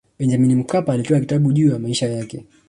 Benjamin Mkapa alitoa kitabu juu ya maisha yake